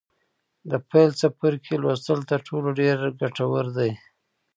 د پیل څپرکي لوستل تر ټولو ډېر ګټور دي.